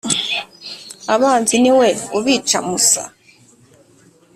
abanzi ni we ubica musa,